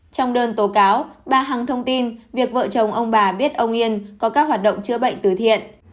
trong đơn tố cáo bà hằng thông tin việc vợ chồng ông bà biết ông yên có các hoạt động chữa bệnh từ thiện